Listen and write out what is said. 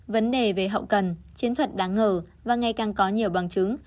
vấn đề về hậu cần chiến thuật đáng ngờ và ngày càng có nhiều bằng chứng